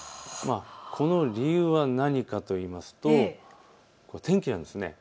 この理由は何かといいますと天気なんです。